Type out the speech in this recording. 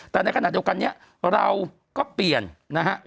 แต่ในขณะเดียวกันนี้เราก็เปลี่ยนนะฮะ